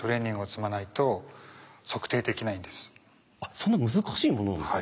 そんな難しいものなんですか？